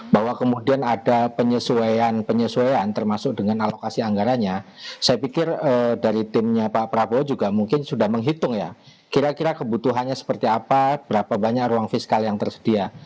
bahwa kemudian ada penyesuaian penyesuaian termasuk dengan alokasi anggarannya saya pikir dari timnya pak prabowo juga mungkin sudah menghitung ya kira kira kebutuhannya seperti apa berapa banyak ruang fiskal yang tersedia